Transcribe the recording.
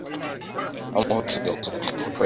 The movie is also a coming-of-age story.